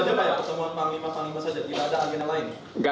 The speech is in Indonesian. pertemuan panglima panglima saja tidak ada agen lain